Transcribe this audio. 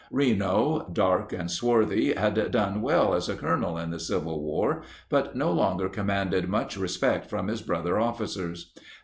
Reno, dark and swarthy, had done well as a colonel in the Civil War but no longer 42 commanded much respect from his brother officers.